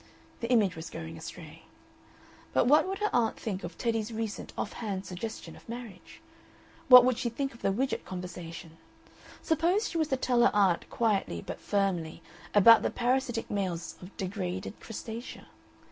The image was going astray. But what would her aunt think of Teddy's recent off hand suggestion of marriage? What would she think of the Widgett conversation? Suppose she was to tell her aunt quietly but firmly about the parasitic males of degraded crustacea.